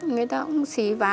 người ta cũng xì vá